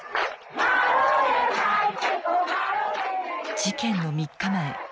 事件の３日前。